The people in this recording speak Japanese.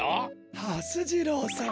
はす次郎さん